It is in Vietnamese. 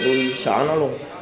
tôi xóa nó